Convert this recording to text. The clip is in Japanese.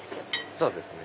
そうですね。